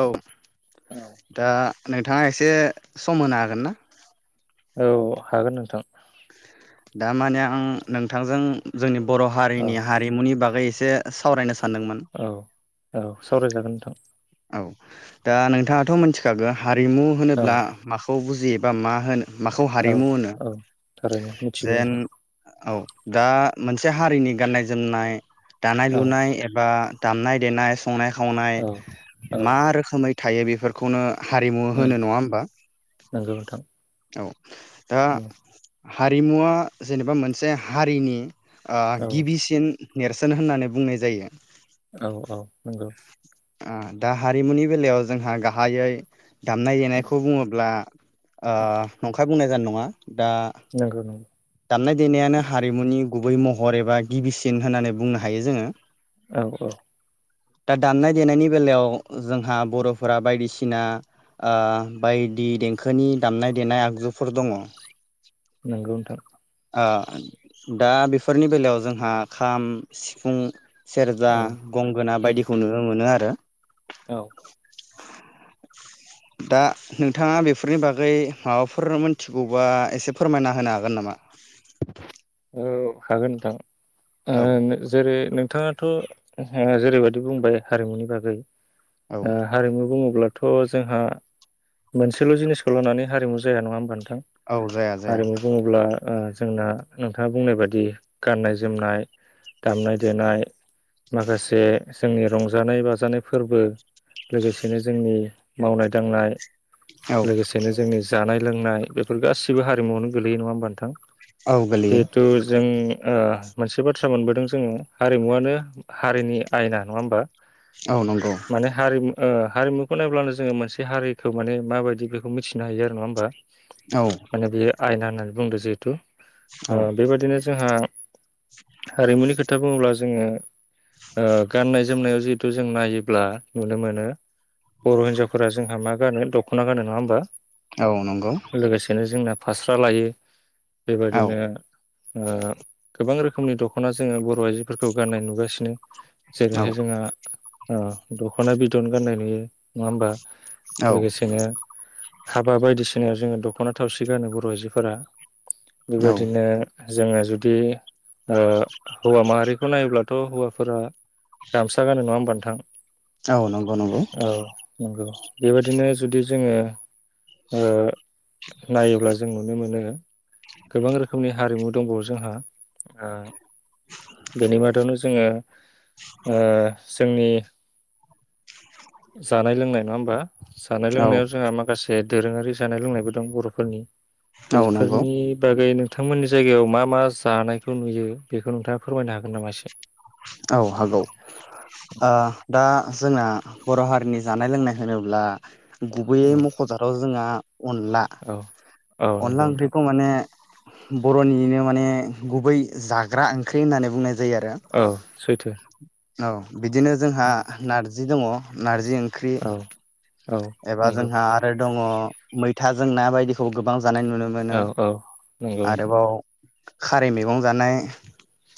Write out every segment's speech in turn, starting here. औ औ दा नोंथाङा एसे सम होनो हागोन ना औ हागोन नोंथां दा माने आं नोंथांजों जोंनि बर' औ हारिनि हारिमुनि बागै एसे ए सावरायनो सान सान्दोंमोन औ औ सावरायजागोन नोंथां औ दा नोंथाङाथ' मिथिखागोन हारिमु औ होनोब्ला माखौ बुजि जि बा मा होनो माखौ औ हारिमु होनो औ थारैनो मिथिगौ जेन नोंथां औ दा मोनसे हारिनि गाननाय जोमनाय दानाय औ लुनाय एबा दामनाय देनाय संनाय खावनाय औ औ मा रोखोमै थायो बेफोरखौनो हारिमु होनो उम नंङा होमबा नंगौ नोंथां औ दा औ हारिमुवा जेनेबा मोनसे हारिनि ओ औ गिबिसिन नेरसोन होननानै बुंनाय जायो औ औ नंगौ। ओ दा हारिमुनि बेलायाव जोंहा गाहायै दामनाय उम देनायखौ बुंङोब्ला ओ नंखाय बुंनाय जानाय नंङा नोंंगौ नंगौ। दामनाय देनायानो हारिमुनि गुबै महर एबा गिबिसिन होननानै बुंनो हायो जोङो औ औ दा दाननाय देनायनि बेलायाव जोंहा बर'फोरा बायदिसिना ओ बायदि देंखोनि दामनाय देनाय आगजुफोर दङ। नोंगौ नोंथां ओ दा बेफोरनि बेलायाव जोंहा खाम सिफुं सेरजा औ गंगोना उम बायदिखौनो मोनो आरो। औ दा नोंथाङा बेफोरनि बागै माबाफोर मोनथिगौबा एसे फोरमायना होनो हागोन नामा? औ हागोन नोंथां। औ ओं जेरै नोंथाङा थ' जेरैबायदि बुंबाय हारिमुनि बागै ओ औ हारिमु बुङोब्ला थ' जोंहा मोनसेल' जिनिसखौ लानानै हारिमु जाया नङा होनबा नोंथां। औ जाया जाया हारिमु बुङोब्ला ओह जोंना नोंथाङा बुंनाय बादि गाननाय जोमनाय दामनाय देनाय माखासे जोंनि रंजानाय बाजानाय फोरबो लोगोसेनो जोंनि मावनाय दांनाय औ लोगोसेनो जोंनि जानाय लोंनाय बेफोर गासिबो हारिमुआवनो गोलैयो नङा होमबा नोंथां। औ गोलैयो जिहेथु जों ओ मोनसे बाथ्रा मोनबोदों जोङो हारिमुवानो हारिनि आयना नङा होमबा। औ नंगौ। माने हारिमु ओ हारिमुखौ नायब्लानो जोङो मोनसे हारिखौ माने माबायदि बेखौ मिथिनो हायो आरो नङा होमबा। औ माने बेयो आयना होननानै बुंदो जिहेथु ओ औ बेबायदिनो जोंहा हारिमुनि खोथा बुङोब्ला जोङो गाननाय ओ जोमनायाव जिहेथु जों नायोब्ला नुनो मोनो। बर' हिन्जावफोरा जोंहा मा गानो दख'ना गानो नङा होमबा। औ नंगौ लोगोसेनो जोंना फास्रा लायो। औ बेबादिनो ओ गोबां रोखोमनि दख'ना जोङो बर' आइजोफोरखौ गाननाय नुगासिनो। औ जेरैहाय जोंहा अ दख'ना बिदन गाननाय नुयो नङा होमबा? औ औ लोगोसेनो हाबा बायदिसिनायाव जोङो दख दख'ना थावसि गानो बर' आइजोफोरा। बेबायदिनो जोङो जुदि ओ हौवा माहारिखौ नायोब्लाथ' हौवाफोरा गामसा गानो नङा होमबा नोंथां? औ नंगौ नंगौ। बेबायदिनो जुदि जोङो ओ नायोब्ला जोङो नुनो मोनो गोबां रोखोमनि हारिमु दंबावो जोंहा ओ बेनि मादावनो जोङो ओ जोंनि जानाय लोंनाय नङा होनबा? जानाय औ लोंनायाव जोंहा माखासे दे दोरोङारि जानाय लोंनायबो दं बर'फोरनि औ नंगौ बेफोरनि ओइ नोंथांमोननि जायगायाव मा मा जानायखौ नुयो बेखौ नोंथाङा फोरमायनो हागोन नामा एसे? औ हागौ आ दा जोंना बर' हारिनि जानाय लोंनाय होनोब्ला औ गुबैयै मख'जाथाव जोंहा अनला औ औ अनला नंगौ नोंथां ओंख्रिखौ माने बर'निनो माने गुबै जाग्रा ओंख्रि होननानै बुंनाय जायो आरो। औ सैथो। औ। बिदिनो जोंहा नारजि जि दङ नारजि जि ओंख्रि औ औ एबा नंगौ जोंहा आरो दङ मैथा जों ना बायदिखौ गोब गोबां जानाय नुनो मोनो औ औ नंगौ नोंथां आरोबाव खारै मैगं जानाय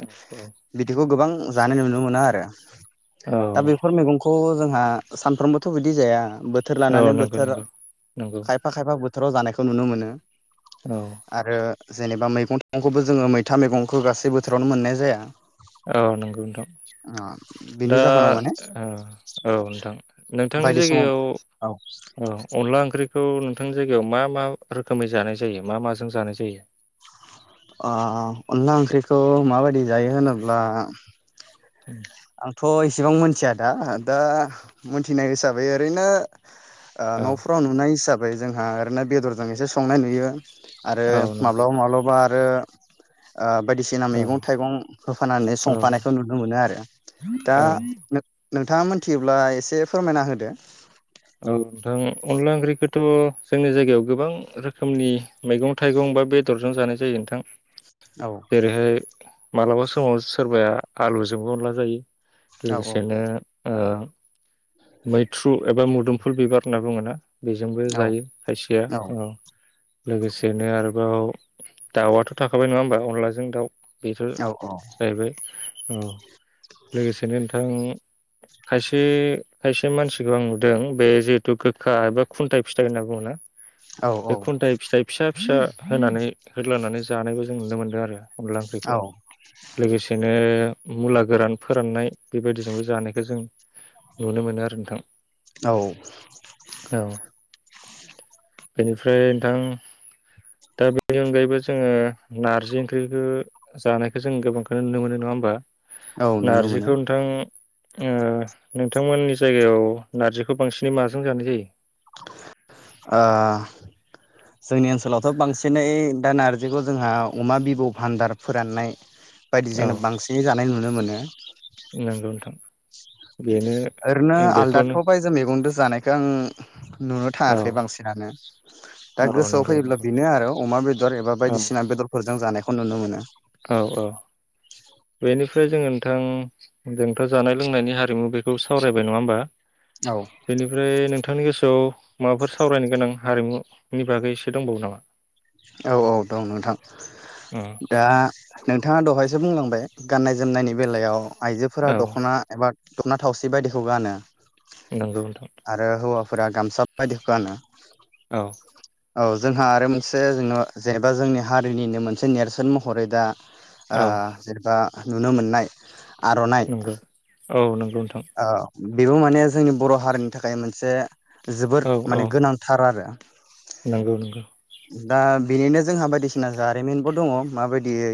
औ औ बिदिखौ गोबां जानाय नुनो मोनो आरो औ दा औ बेफोर मैगंखौ थ' जोंहा सानफ्रोमबोथ' बिदि जाया बोथोर औ लानानै नंगौ बोथोर नंगौ नंगौ खायफा खायफा बो बोथोराव जानायखौ नुनो मोनो औ आरो जेनेबा मैगं थाइगंखौबो जोङो मैथा मैगंखौ गासै बोथोरावनो मोननाय जाया औ नंगौ नोंथां बिनि दा जाहोनाव माने ओ औ नोंथां नोंथांनि बायदि समाव जायगायाव औ औ अनला ओंख्रिखौ नों नोंथांनि जायगायाव मा मा रोखोमै जानाय जायो मा माजों जानाय जायो औ अनला ओंख्रिखौ माबायदि जायो होनोब्ला उम थ' इसेबां मिथिया दा दा मिथिनाय हिसाबै ओरैनो आ औ न'फोराव नुनाय हिसाबै ओमफ्राय जोंहा ओरैनो बेदरजोंसो संनाय नुयो आरो औ नंगौ माब्लाबा माब्लाबा आरो ओ बायदिसिना औ मैगं थाइगं होफानानै औ संफानायखौ नुनो मोनो आरो दा औ नोंथाङा मोनथियोब्ला एसे फोरमायना होदो औ नोंथां अनला ओंख्रिखौथ' जोंनि जायगायाव गोबां रोखोमनि मैगं थाइगं बा बेदरजों जानाय जायो नोंथां औ जेरैहाय मालाबा समाव सोरबाया आलुजोंबो अनला जायो औ लोगोसेनो मैथ्रु एबा मुदुफुल दुमफुल बिबार होनना बुङोना बेजोंबो औ जायो खायसेया औ लोगोसेनो आरोबाव दाउआथ' थाखाबाय नङा होमबा अनलाजों दाउ बेथ' औ जाहैबाय औ लोगोसेनो ओम खायसे खायसे मानसिखौ आं नुदों जों बे जिहेथु गोखा एबा खुन्थाइ फिथाइ होनना बुङोना औ बे खुन्थाइ फिथाइ फिसा फिसा होनानै होदलानानै जानायबो जों नुनो मोन्दों आरो अनला औ ओंख्रिखौ लोगोसेनो मुला गोरान फोराननाय बेबायदिजोंबो जानायखौ जों नुनो मोनो आरो नोंथां। औ। औ बेनिफ्राय नोंथां दा बेनि अनगायैबो जोङो नारजि ओंख्रिखौ जानायखौ जों गोबांखौ नुनो मोनो नङा होमबा? औ नुनो मोनो नारजिखौ नोंथां ओ नोंथांमोननि जायगायाव नारजिखौ खौ बांसिनै माजों जानाय जायो? जोंनि ओनसोलावथ' बांसिनै दा नारजिखौ जोंहा अमा बिबु भान्दार फोराननाय बायदि औ जोंनो बांसिनै जानाय नुनो। नुनो मोनो। नंगौ नोंथां बेनो ओरैनो आलदाथ' बेखौनो बायजो मैगंजों जानायखौ आं नुनो औ थाङाखै बांसिनानो दा औ गोसोआव नंगौ फैयोब्ला नंगौ बेनो आरो अमा बेदर एबा औ बायदिसिना बेदरफोरजों जानायखौ खौ नुनो मोनो। औ औ बेनिफ्राय जोंङो नोंथां जोंथ' जानाय लोंनायनि हारिमु बेखौ सावरायबाय नंङा होमबा? औ बेनिफ्राय नोंथांनि गोसोआव माबाफोर सावरायनो गोनां हारिमु बिनि बागै एसे दंबावो नामा? औ औ दं नोंथां उम दा। नोंथांङा दहायसो बुंलांबाय गाननाय जोमनायनि बेलायाव आइजोफोरा औ दख'ना एबा दख'ना थावसि बायदिखौ गानो। नंगौ नोंथां। फुरा गामसाबायदि गानो। औ। औ जोंहा आरो मोनसे से जोंन' जेनेबा जोंनि हारिनिनो मोनसे नेर्सोन महरै दा आ औ जेनेबा नुनो मोननाय आर'नाइ नंगौ औ नोंगौ। नोथां। ओ बेबो माने जोंनि बर' हारिनि थाखाय मोनसे जोबोद माने गोनांथार आरो। नोंगौ नोंंगौ। दा बेनिनो जोंहा बायदिसिना जारिमिनबो दंङ माबायदियै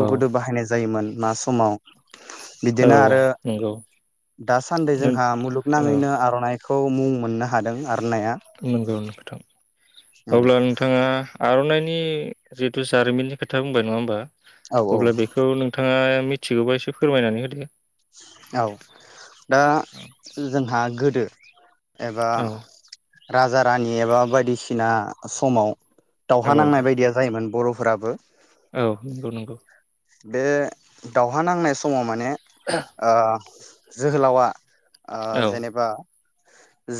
औ गोदो बाहायनाय जा जायोमोन मा समाव औ बिदिनो आरो नंगौ दासान्दि जोंहा औ मुलुगनांङैनो आर'नाइ खौ मुं मोननो हादों आ नोंगौ नोंथा अब्ला नोंथांङा आर'नाइनि जिथु जारिमिननि खोथा बुंबाय नंङा होमबा औ अब्ला औ बेखौ नोंथांङा मिथिगौबा एसे फोरमायनानै होदो औ दा जोंहा गोद दो एबा औ राजा रानि एबा बायदिसिना समाव औ दावहा नांनाय नोंथां बायदिया जायोमोन बर' फोराबो औ नंगौ नंगौ। बे दावहा नांनाय समाव माने ओ जोहोलावा ओ औ जेनेबा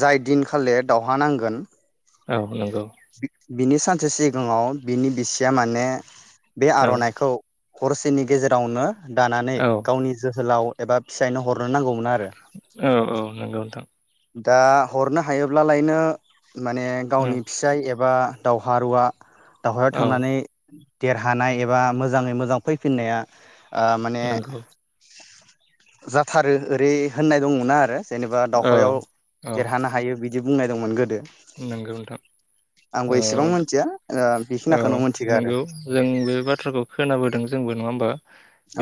जाय दिनखालि दावहा नांगोन औ नंगौ। [unintelligible] बिनि सानसे सिगाङाव बिनि बिसिया माने बे औ आर'नाइखौ हरसेनि गेजेरावनो दानानै औ गावनि जोहोलाव एबा फिसायनो हरनो नांगौमोन आ औ औ नंगौ नोंथां। दा हरनो हायोब्लालायनो माने औ गावनि फिसाय एबा एबा दावहारुवा दावहायाव औ थांनानै देरहानाय एबा मोजाङै मोजां फैफिननाया ओ माने नंगौ जाथारो ओरै होननाय दङना आरो। जेनेबा औ दावहायाव औ देरहानो हायो बि बिदि बुंनाय दंमोन गोदो। नंगौ नोंथां आंबो औ एसेबां मिथिया ओ औ बेखिनिखौनो मिथिगौ आरो नंगौ जों बे बाथ्राखौ खोनाबोदों जोंबो नङा होमबा?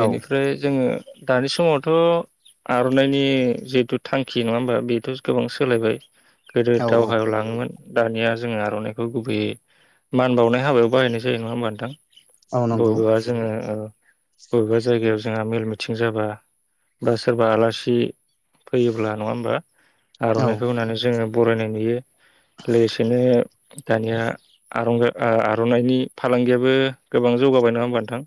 औ जोङो दानि समावथ' आर'नाइनि जिहेथु थांखि नङा होमबा बेथ' गोबां सोलायबाय। गोदो औ दाउ औ दानिया जोङो आर'नाइखौ गुबैयै मान बावनाय हाबायाव बाहायनाय जायो नङा होमबा नोंथां? औ नंगौ बबेबा जोङो ओ बबेबा जायगायाव जोंहा मेल मिटिं जाबा बा सोरबा आलासि फैयोब्ला नङा होमबा। औ आर'नाइखौ होनानै जोङो। बरायनाय नुयो। लोगोसेनो दानिया आरंग [unintelligible] ओ आर'नाइनि फालांगियाबो गोबां जौगाबाय नङा होमबा नोंथां।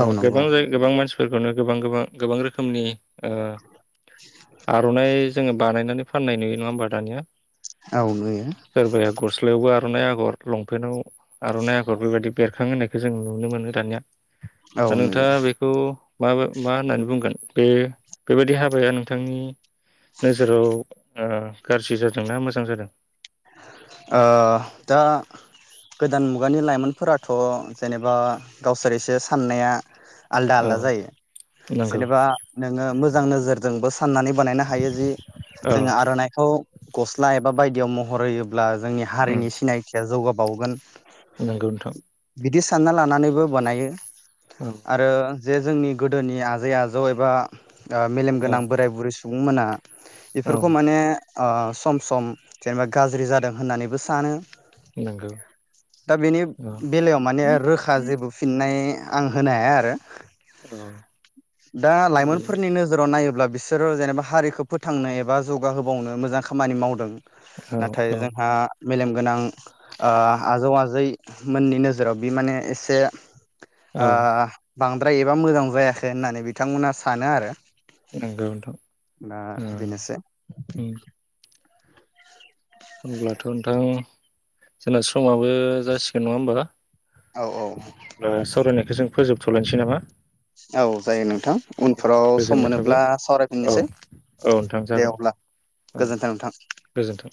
औ गोबां नंगौ जाय गोबां मानसि। [unintelligible] गोबां गोबां गोबां रोखोमनि। आर'नाइ। [unintelligible] बानायनानै फाननाय नुयो नङा होमबा दानिया। औ नुयो सोरबाया गस्लायावबो आरो। [unintelligible] आगर लंपेन्टाव आर'नाइ आगर बेबायदि बेरखां होननायखौ जों नुनो मोनो दानिया। औ दा नुयो नोंथाङा बेखौ। म मा होननानै बुंगोन बे बेबायदि हाबाया नोंथांनि नोजोराव ओ गाज्रि जादोंना। [unintelligible] [unintelligible] ओ दा गोदान मुगानि लाइमोनफोराथ' जेनेबा गावसोर एसे साननाया। आलदा आलदा औ जायो नंगौ जेनेबा नोङो मोजां नोजोरजोंबो साननानै बानायनो हायो जि औ जोङो आर'नाइखौ गस्ला एबा बायदिआव [unintelligible] हरैयो। जोंनि उम हारिनि सिनायथिया जौगाब [unintelligible] बावगोन। नंगौ नोंथां। बिदि सानना लानानैबो बानायो। औ आरो। जे जोंनि गोदोनि आजै आजौ एबा ओ औ मेलेमगोनां बोराय बुरै सुबुंंमोनना औ बेफोरखौ माने ओ सम सम जेनेबा गाज्रि जादों होननानैबो सानो नंगौ दा बेनि औ बेलायाव माने रोखा जेबो फिननाय आं होनो हाया आरो औ दा बे लाइमोनफोरनि नोजोराव नायोब्ला बिसोर जेनेबा हारिखौ फोथांनो एबा जौग होबावनो मोजां खामानि मावदों औ नाथाय औ जोंहा मेलेमगोनां आजौ आजै। जै मोननि नोजोराव बियो माने एसे। आ। औ बांद्राय एबा मोजां जायाखै होननानै बिथांमोना सानो आरो। नंगौ नोंथां दा बेनोसै औ। अब्लाथ नोंथां जोंना समाबो जासिगोन नङा होमबा। औ औ सावरायनायखौ जों। फोजोबथलायनोसै नामा। औ जायो नों। नोंथां उनफोराव सम गोजोननाय थाबाय मोनोब्ला औ सावरायफिननोसै औ नोंथां दे जागोन अब्ला औ गोजोन्थों नोंथां। गोजोन्थों